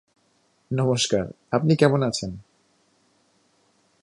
নমস্কার! আপনি কেমন আছেন?